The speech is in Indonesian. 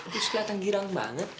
terus kelihatan girang banget